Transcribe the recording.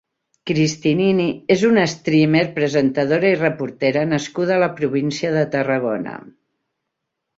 Cristinini és una streamer, presentadora i reportera nascuda a la província de Tarragona.